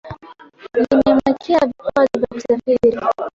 limemwekea vikwazo vya kusafiri